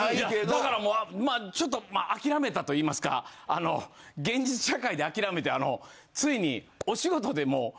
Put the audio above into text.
だからもうちょっと諦めたと言いますかあの現実社会で諦めてついに。